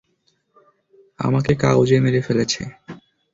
আমাকে কাগজে মেরে ফেলেছে।